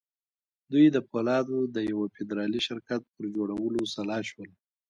دوی د پولادو د یوه فدرالي شرکت پر جوړولو سلا شول